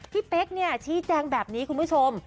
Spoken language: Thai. เป๊กชี้แจงแบบนี้คุณผู้ชม